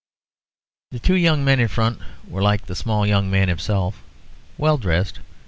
The two young men in front were like the small young man himself, well dressed.